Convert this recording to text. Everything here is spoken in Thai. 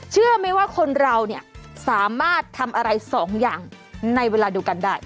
เชื่อไหมว่าคนเราเนี่ยสามารถทำอะไรสองอย่างในเวลาเดียวกันได้